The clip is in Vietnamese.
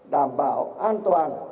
đảm bảo an toàn